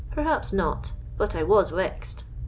Perhaps not; but I was wexed.